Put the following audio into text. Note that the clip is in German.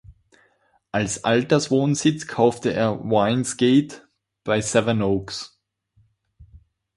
Als Alterswohnsitz kaufte er Vine’s Gate bei Sevenoaks.